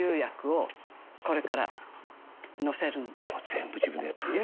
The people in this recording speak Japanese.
「全部自分でやっちゃうんだ」